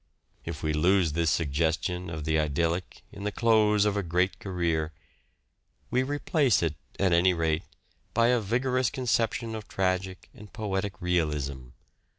If we lose this suggestion of the idyllic in the close of a great career, we replace it, at any rate, by a vigorous conception of tragic and poetic realism.